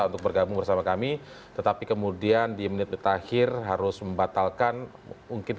undang undang kesudatan itu mungkin tidak bisa disatu secara enorm